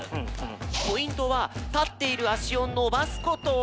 ポイントはたっているあしをのばすこと。